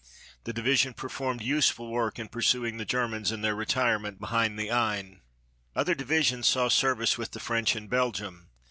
The division performed useful work in pursuing the Germans in their retirement behind the Aisne. Other divisions saw service with the French in Belgium.